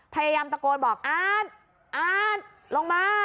พยายามตะโกนบอกอาร์ตอาร์ตลงมา